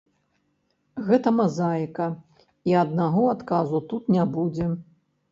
Гэта мазаіка, і аднаго адказу тут не будзе.